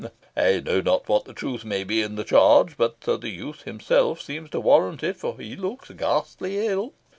I know not what truth may be in the charge, but the youth himself seems to warrant it, for he looks ghastly ill.